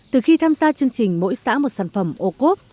từ khi tham gia chương trình mỗi xã một sản phẩm ô cốp